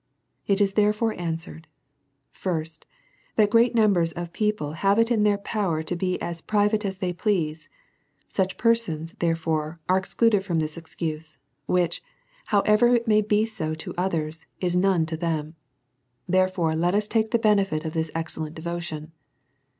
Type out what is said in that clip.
It is therefore answered,, First, That great numbers DEVOUT AND HOLY LIFE. 199 of people have it in their power to be as private as they please; such persons, therefore,, are excluded from this excuse, which, however it may be so to others, is none to them. Therefore, let such take the benefit of this excellent devotion.